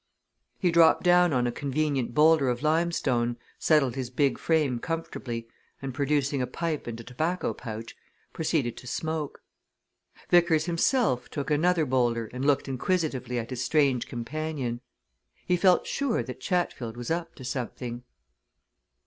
He dropped down on a convenient boulder of limestone, settled his big frame comfortably, and producing a pipe and a tobacco pouch, proceeded to smoke. Vickers himself took another boulder and looked inquisitively at his strange companion. He felt sure that Chatfield was up to something.